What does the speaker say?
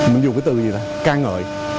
mình dùng cái từ gì đó ca ngợi